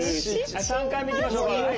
はい３回目いきましょうか。